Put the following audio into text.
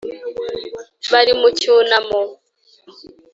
bari mu cyunamo